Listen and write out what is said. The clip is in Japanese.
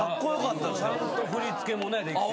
ちゃんと振り付けもできてて。